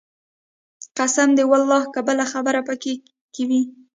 قسم دى ولله که بله خبره پکښې کښې وي.